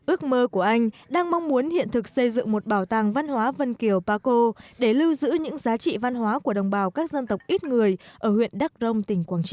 ước mơ của anh đang mong muốn hiện thực xây dựng một bảo tàng văn hóa vân kiều paco để lưu giữ những giá trị văn hóa của đồng bào các dân tộc ít người ở huyện đắk rông tỉnh quảng trị